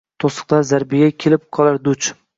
To’siqlar zarbiga kelib qolar duch.